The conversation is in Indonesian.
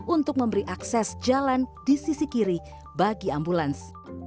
untuk memberi akses jalan di sisi kiri bagi ambulans